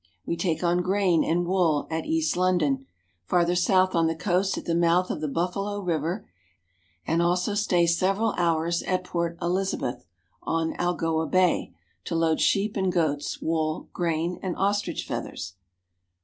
We take on grain and wool at East London, farther south on the coast at the mouth of the Buffalo River ; and also stay several hours at Port Elizabeth, on Algoa (al g5'a) Bay, to load sheep and goats' wool, grain, and ostrich feathers.